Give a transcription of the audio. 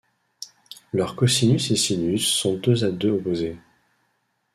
Leurs cosinus et sinus sont deux à deux opposés.